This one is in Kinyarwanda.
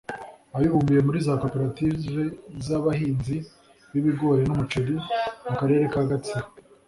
Abibumbiye muri za koperative z’abahinzi b’ibigori n’umuceri mu karere ka Gatsibo